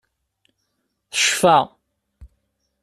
Tecfa.